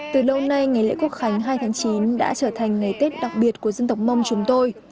từ lâu nay ngày lễ quốc khánh hai tháng chín đã trở thành ngày tết đặc biệt của dân tộc mông chúng tôi